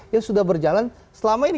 yang sudah berjalan selama ini